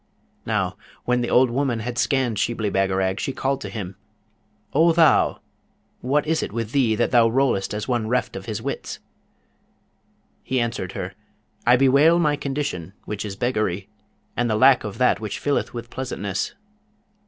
Now, when the old woman had scanned Shibli Bagarag, she called to him, 'O thou! what is it with thee, that thou rollest as one reft of his wits?' He answered her, 'I bewail my condition, which is beggary, and the lack of that which filleth with pleasantness.'